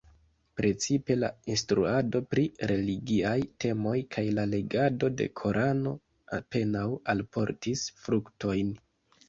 Precipe la instruado pri religiaj temoj kaj la legado de Korano apenaŭ alportis fruktojn.